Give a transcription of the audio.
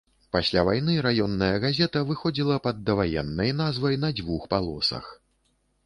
Пасля вайны раённая газета выходзіла пад даваеннай назвай на дзвюх палосах.